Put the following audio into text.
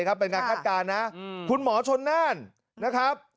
เป็นการคาดการณ์นะคุณหมอชนน่านนะครับ